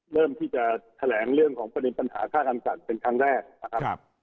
เริ่มที่จะแถลงเรื่องของประเด็นปัญหาค่าคำสั่งเป็นครั้งแรกนะครับ